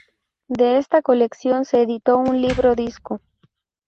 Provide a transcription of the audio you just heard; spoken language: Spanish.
De esta colección se editó un libro disco.